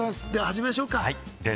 では始めましょうか。